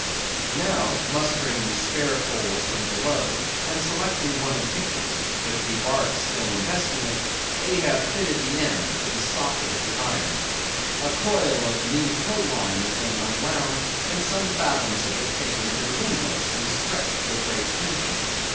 Now, mustering the spare poles from below, and selecting one of hickory, with the bark still investing it, Ahab fitted the end to the socket of the iron. A coil of new tow line was then unwound, and some fathoms of it taken to the windlass, and stretched to a great tension.